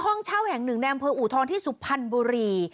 ห้องเช่าแห่งหนึ่งในอำเภออูทองที่สุพรรณบุรี